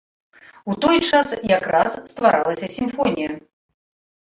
У той час якраз стваралася сімфонія.